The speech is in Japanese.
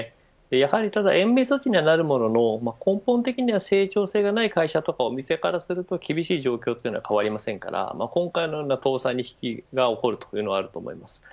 やはり延命措置にはなるものの根本的には成長性がない会社とかお店からすると厳しい状況は変わりませんから今回のような倒産が引き起こるというのはあると思います。